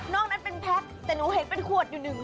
นั้นเป็นแพ็คแต่หนูเห็นเป็นขวดอยู่หนึ่ง